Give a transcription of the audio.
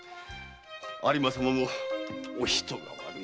有馬様もお人が悪い。